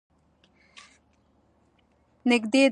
نږدې دی.